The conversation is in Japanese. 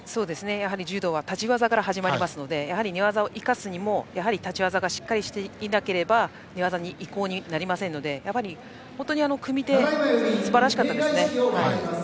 やはり柔道は立ち技から始まりますので寝技を生かすにも立ち技がしっかりしていなければ寝技の移行になりませんので組み手はすばらしかったですね。